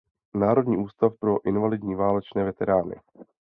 Národní ústav pro invalidní válečné veterány.